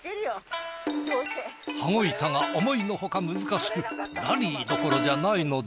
羽子板が思いのほか難しくラリーどころじゃないので。